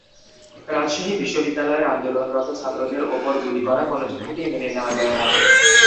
রাজশাহী বিশ্ববিদ্যালয়ের আন্দোলনরত ছাত্রদের ওপর গুলি করা কোনো যুক্তিতেই মেনে নেওয়া যায় না।